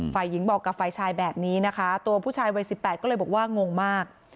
ฝ่ายหญิงบอกกับฝ่ายชายแบบนี้นะคะตัวผู้ชายวัย๑๘ก็เลยบอกว่างงมาก